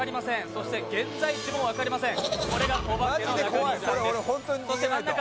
そして現在地も分かりません。